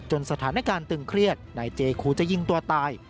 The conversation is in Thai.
สถานการณ์ตึงเครียดนายเจคูจะยิงตัวตาย